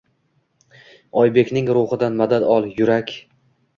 Oybekning ruhidan madad ol, yurak!